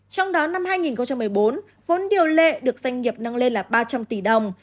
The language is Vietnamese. trong đó năm hai nghìn một mươi bốn vốn điều lệ được doanh nghiệp nâng lên là ba trăm linh tỷ đồng